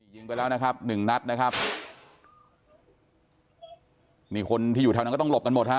ยิงไปแล้วนะครับหนึ่งนัดนะครับนี่คนที่อยู่แถวนั้นก็ต้องหลบกันหมดฮะ